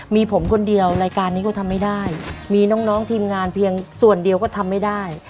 มีผมคนเดียวรายการนี้ก็ทำไม่ได้มีน้องทีมงานเพียงส่วนเดียวก็ทำไม่ได้